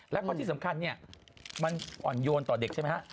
แล้วก็ที่สำคัญเนี่ยมันอ่อนโยนต่อเด็กใช่ไหมฮะ